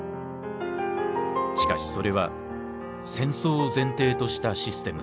しかしそれは戦争を前提としたシステムだった。